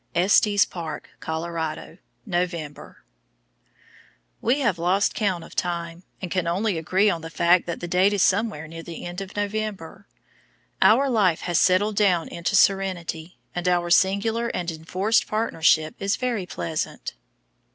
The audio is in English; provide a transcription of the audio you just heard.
ESTES PARK, COLORADO, November. We have lost count of time, and can only agree on the fact that the date is somewhere near the end of November. Our life has settled down into serenity, and our singular and enforced partnership is very pleasant.